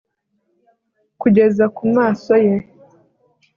kugeza ku maso ye